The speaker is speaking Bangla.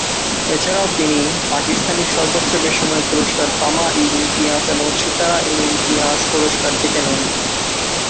এছাড়াও তিনি পাকিস্তানি সর্বোচ্চ বেসামরিক পুরস্কার তামা-ই-ইমতিয়াজ এবং সিতারা-ই-ইমতিয়াজ পুরস্কার জিতে নেন।